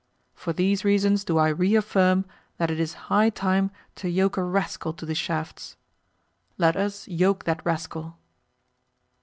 For these reasons do I reaffirm that it is high time to yoke a rascal to the shafts. Let us yoke that rascal.